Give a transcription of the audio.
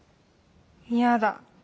嫌だ。